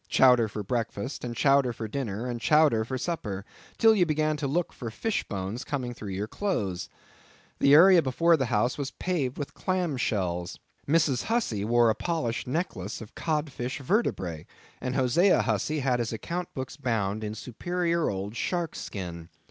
Chowder for breakfast, and chowder for dinner, and chowder for supper, till you began to look for fish bones coming through your clothes. The area before the house was paved with clam shells. Mrs. Hussey wore a polished necklace of codfish vertebra; and Hosea Hussey had his account books bound in superior old shark skin.